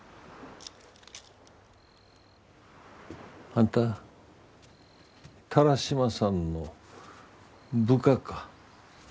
あんた田良島さんの部下か。